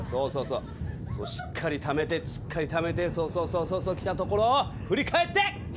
しっかりためてしっかりためてそうそうそうそうそう来たところを振り返って！